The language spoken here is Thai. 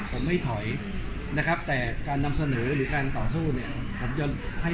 ผมไม่ถอยนะครับแต่การนำเสนอหรือการต่อสู้เนี่ยผมจะให้